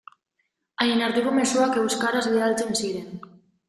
Haien arteko mezuak euskaraz bidaltzen ziren.